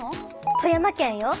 富山県よ。